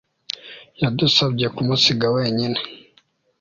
Yadusabye kumusiga wenyine